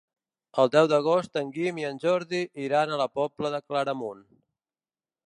El deu d'agost en Guim i en Jordi iran a la Pobla de Claramunt.